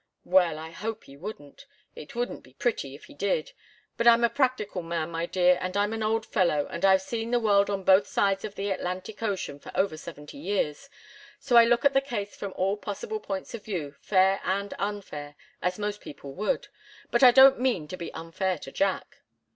"Well I hope he wouldn't. It wouldn't be pretty, if he did. But I'm a practical man, my dear, and I'm an old fellow and I've seen the world on both sides of the Atlantic Ocean for over seventy years. So I look at the case from all possible points of view, fair and unfair, as most people would. But I don't mean to be unfair to Jack."